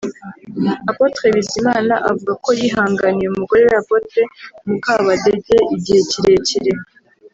Apotre Bizimana avuga ko yihanganiye umugore we Apotre Mukabadege igihe kirekire